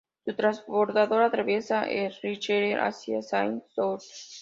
Un transbordador atraviesa el Richelieu hacia Saint-Ours.